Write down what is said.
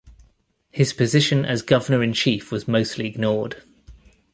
His position as Governor-in-chief was mostly ignored.